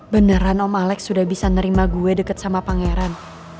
beneran om alex sudah bisa nerima gue deket sama pangeran